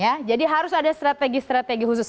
ya jadi harus ada strategi strategi khusus